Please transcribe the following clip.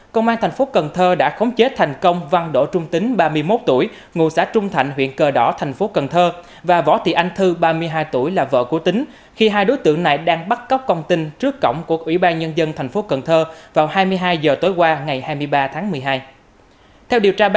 các bạn hãy đăng ký kênh để ủng hộ kênh của chúng mình nhé